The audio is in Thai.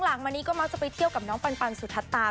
หลังมานี้ก็มักจะไปเที่ยวกับน้องปันสุทัศตา